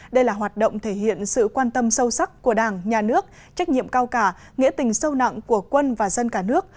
đây là hoạt động thể hiện sự quan tâm sâu sắc của đảng nhà nước trách nhiệm cao cả nghĩa tình sâu nặng của quân và dân cả nước